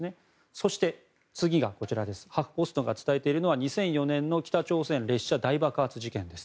そして、次がこちらハフポストが伝えているのは２００４年の北朝鮮列車大爆発事件です。